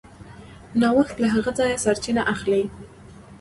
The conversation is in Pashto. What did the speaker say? نوښت له هغه ځایه سرچینه اخلي.